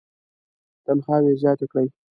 تنخواوې یې زیاتې کړې.